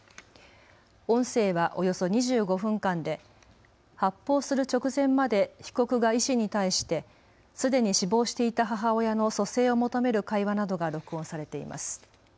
音声はおよそ２５分間で、発砲する直前まで被告が医師に対してすでに死亡していた母親の蘇生を求める会話などが録音されています。